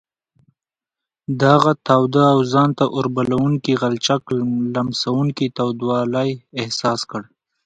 د هغه تاوده او ځان ته اوربلوونکي غلچک لمسوونکی تودوالی احساس کړ.